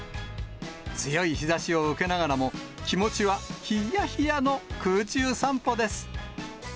強い日ざしを受けながらも、気持ちはひっやひやの空中散歩です。